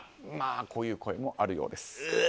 こういう声もあるようです。